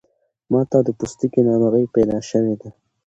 ماته د پوستکی ناروغۍ پیدا شوی ده